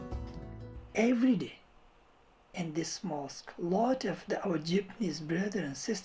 setiap hari di masjid ini banyak saudara dan saudari jepang datang ke sini